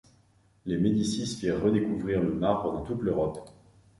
Les Médicis firent redécouvrir le marbre dans toute l’Europe.